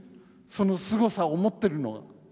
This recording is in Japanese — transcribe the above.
そのすごさを持ってるのは。